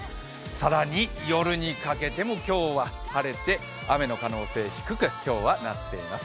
更に、夜にかけても今日は晴れて今日は、雨の可能性低くなっています。